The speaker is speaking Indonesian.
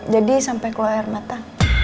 jadi sampai keluar air mata